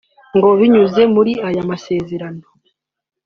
ngo binyuze muri aya masezerano